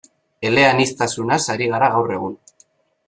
Eleaniztasunaz ari gara gaur egun.